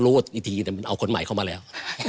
รูดอีกทีเอาคนใหม่เข้ามาแล้ว